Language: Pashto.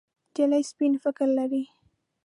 نجلۍ سپين فکر لري.